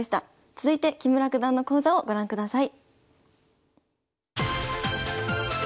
続いて木村九段の講座をご覧ください。